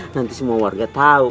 nanti semua warga tahu